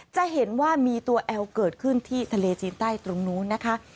จะเห็นว่ามีตัวแอลเกิดขึ้นที่ทะเลจีนใต้ตรงนู้นนะคะ